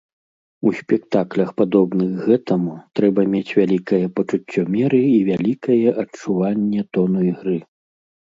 У спектаклях, падобных гэтаму, трэба мець вялікае пачуццё меры і вялікае адчуванне тону ігры.